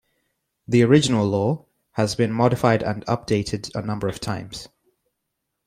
The original law has been modified and updated a number of times.